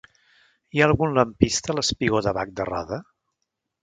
Hi ha algun lampista al espigó de Bac de Roda?